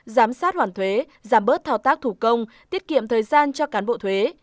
giám sát hoàn thuế giảm bớt thao tác thủ công tiết kiệm thời gian cho cán bộ thuế